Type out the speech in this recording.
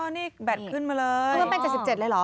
นี่แบตขึ้นมาเลยเพิ่มเป็น๗๗เลยเหรอ